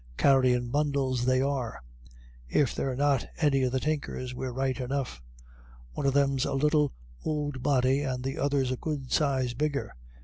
Carryin' bundles they are. If they're not any of the Tinkers we're right enough. One of them's a little ould body, and the other's a good size bigger.